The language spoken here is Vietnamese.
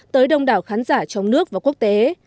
tới đông đảo khán giả trong nước và quốc tế